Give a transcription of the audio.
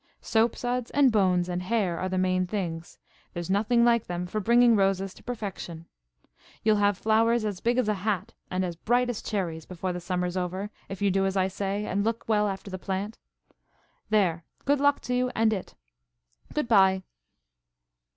Soap suds and bones and hair are the main things. There 's nothing like them for bringing roses to perfection. You'll have flowers as big as a hat, and as bright as cherries, before the summer's over, if you do as I say, and look well after the plant. There! good luck to you and it! Good bye."